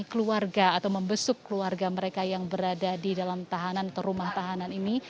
keluarga atau membesuk keluarga mereka yang berada di dalam tahanan atau rumah tahanan ini